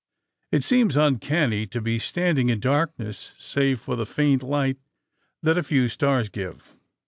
*'It seems uncanny to be standing in darkness save for the faint light that a few stars give."